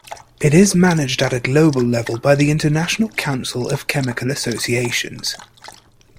It is managed at a global level by the International Council of Chemical Associations.